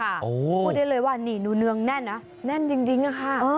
ก็ได้เลยว่านี่เนวแน่นนะแน่นจริงค่ะ